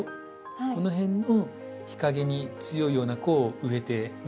この辺の日陰に強いような子を植えてますね。